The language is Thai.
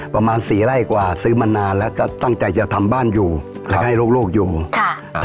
ประมาณสี่ไร่กว่าซื้อมานานแล้วก็ตั้งใจจะทำบ้านอยู่แล้วก็ให้ลูกลูกอยู่ค่ะอ่า